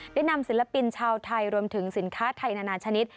ได้นำศิลปินชาวไทยรวมถึงสินค้าไทยนานาชนิด